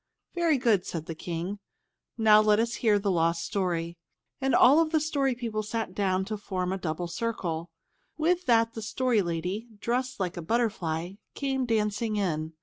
"Very good," said the King. "Let us now hear the lost story." And all the Story People sat down to form a double circle. With that the Story Lady, dressed like a butterfly, came dancing in.